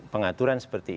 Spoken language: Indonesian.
pengaturan seperti ini